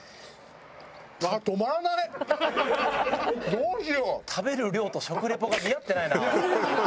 どうしよう！